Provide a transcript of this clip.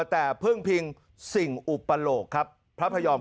แต่พึ่งพิงสิ่งอุปโลกครับพระพยอม